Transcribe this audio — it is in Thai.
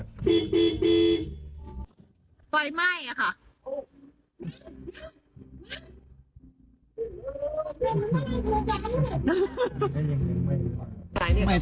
ไฟหมายค่ะ